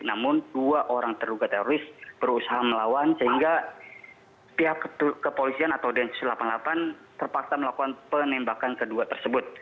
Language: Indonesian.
namun dua orang terduga teroris berusaha melawan sehingga pihak kepolisian atau densus delapan puluh delapan terpaksa melakukan penembakan kedua tersebut